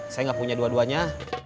saya nggak punya dua duanya